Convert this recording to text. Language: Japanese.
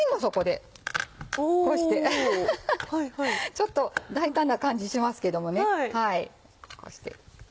ちょっと大胆な感じしますけどもねこうして。